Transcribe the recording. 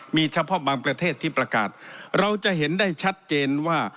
มีเฉพาะบางประเทศที่ประกาศเราจะเห็นได้ชัดเจนว่า